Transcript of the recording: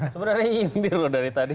sebenarnya gini loh dari tadi